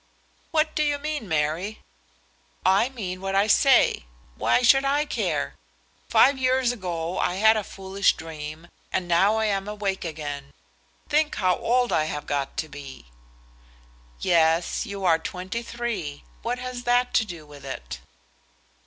"What do you mean, Mary?" "I mean what I say. Why should I care? Five years ago I had a foolish dream, and now I am awake again. Think how old I have got to be!" "Yes; you are twenty three. What has that to do with it?"